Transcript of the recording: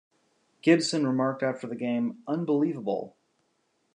Gibson remarked after the game, Unbelievable.